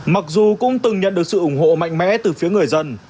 mặc dù cũng từng nhận được sự ủng hộ mạnh mẽ từ phía người dân